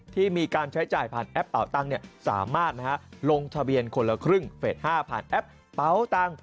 ที่มีการใช้จ่ายผ่านแอปเปาตังเนี่ยสามารถนะฮะลงทะเบียนคนละครึ่งเฟส๕ผ่านแอปเปาตัง